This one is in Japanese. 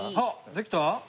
できた？